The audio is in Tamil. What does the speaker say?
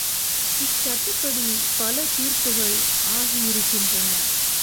இச்சட்டப்படி பல தீர்ப்புகள் ஆகியிருக்கின்றன.